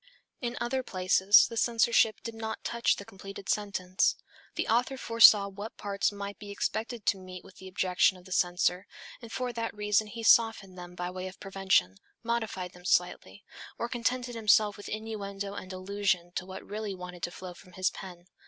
In other places the censorship did not touch the completed sentence. The author foresaw what parts might be expected to meet with the objection of the censor, and for that reason he softened them by way of prevention, modified them slightly, or contented himself with innuendo and allusion to what really wanted to flow from his pen.